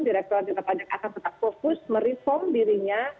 direkturat jenderal pajak akan tetap fokus mereform dirinya